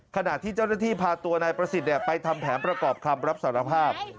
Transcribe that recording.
ขณะที่เจ้าหน้าที่พาตัวนายประสิทธิ์ไปทำแผนประกอบคำรับสารภาพ